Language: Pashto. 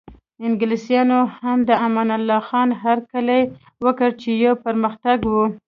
انګلیسانو هم د امان الله خان هرکلی وکړ چې یو پرمختګ و.